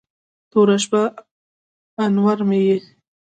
توره شپه، انور مې یې